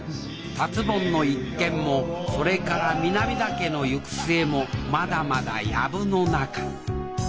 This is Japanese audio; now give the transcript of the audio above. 達ぼんの一件もそれから南田家の行く末もまだまだ藪の中